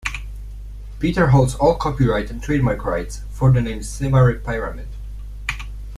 Pitter holds all copyright and trademark rights for the name "Symarip Pyramid".